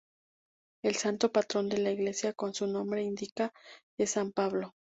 El santo patrón de la iglesia, como su nombre indica, es san Pablo.